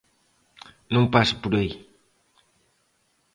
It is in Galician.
Non paso por aí.